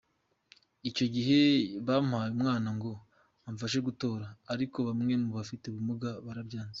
Icyo gihe bampaye umwana ngo amfashe gutora, ariko bamwe mu bafite ubumuga barabyanze.